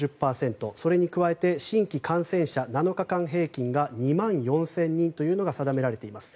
それに加えて新規感染者、７日間平均が２万４０００人というのが定められています。